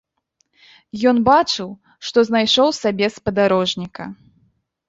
Ён бачыў, што знайшоў сабе спадарожніка.